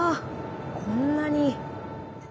こんなに。